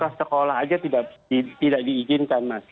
sekolah sekolah aja tidak diizinkan mas